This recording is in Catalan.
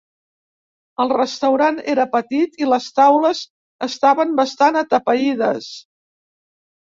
El restaurant era petit i les taules estaven bastant atapeïdes.